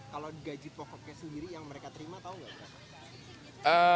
kalau gaji pokoknya sendiri yang mereka terima tahu nggak